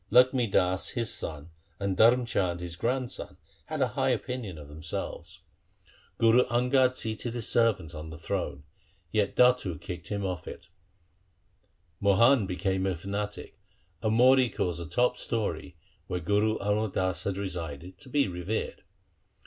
Lakhmi Das his son and Dharm Chand his grandson had a high opinion of themselves. 128 THE SIKH RELIGION Guru Angad seated his servant on his throne, yet Datu kicked him off it. Mohan became a fanatic, and Mohri caused' the top story, where Guru Amar Das had resided, to be revered.